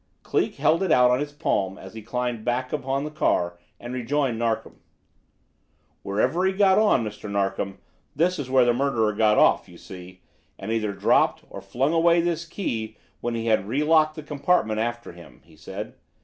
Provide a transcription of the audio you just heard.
Cleek held it out on his palm as he climbed back upon the car and rejoined Narkom. "Wherever he got on, Mr. Narkom, here is where the murderer got off, you see, and either dropped or flung away this key when he had relocked the compartment after him," he said.